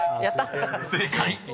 ［正解！］